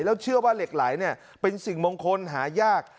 แล้วเชื่อว่าเหล็กไหลเป็นสิ่งมงคลหายาก